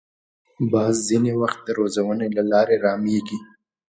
باز ځینې وخت د روزنې له لارې رامېږي